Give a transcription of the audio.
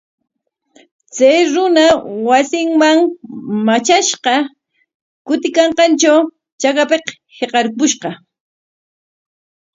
Chay runa wasinman matrashqa kutiykanqantraw chakapik hiqarpushqa.